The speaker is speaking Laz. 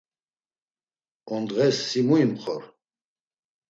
Ondğes si mu imxor.